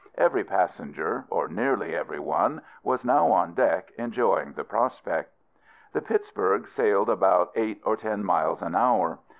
Every passenger, or nearly every one, was now on deck enjoying the prospect. The Pittsburg sailed about eight or ten miles an hour.